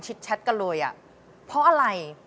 ชิดแชทกันเลยเพราะอะไร